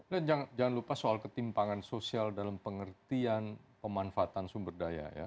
dan jangan lupa soal ketimpangan sosial dalam pengertian pemanfaatan sumber daya ya